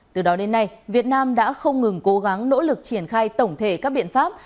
từ đó đến nay việt nam đã không ngừng cố gắng nỗ lực triển khai tổng thể các biện pháp